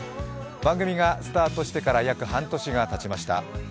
番組がスタートしてから約半年がたちました。